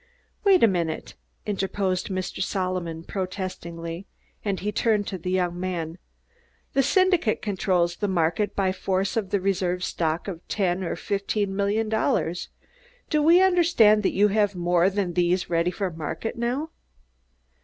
"Wait a minute," interposed Mr. Solomon protestingly, and he turned to the young man. "The Syndicate controls the market by force of a reserve stock of ten or fifteen million dollars. Do we understand that you have more than these ready for market now?"